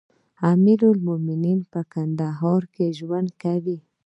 امير المؤمنين په کندهار کې ژوند کوي.